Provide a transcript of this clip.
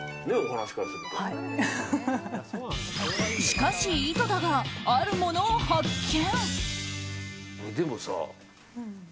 しかし、井戸田があるものを発見。